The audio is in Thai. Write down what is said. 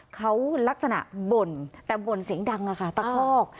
เขาลักษณะบ่นแต่บ่นเสียงดังค่ะตะคอก